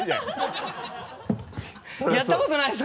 やったことないです